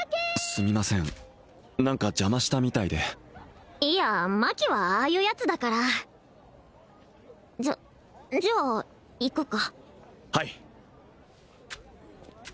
すみません何か邪魔したみたいでいやマキはああいうヤツだからじゃじゃあ行くかはい！